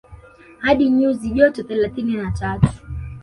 Hadi nyuzi joto thelathini na tatu